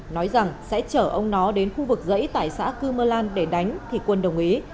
nói rằng sẽ chở ông nó đến khu vực dãy tại xã cư mơ lan để đánh thì quân đồng ý